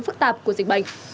phức tạp của dịch bệnh